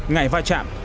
ngại va chạm